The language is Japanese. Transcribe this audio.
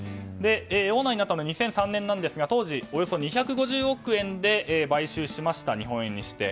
オーナーになったのは２００３年なんですが当時、およそ２５０億円で買収しました、日本円にして。